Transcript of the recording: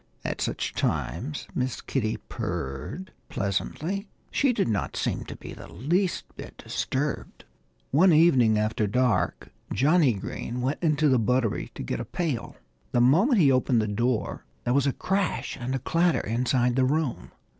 At such times Miss Kitty purred pleasantly. She did not seem to be the least bit disturbed. One evening, after dark, Johnnie Green went into the buttery to get a pail. The moment he opened the door there was a crash and a clatter inside the room.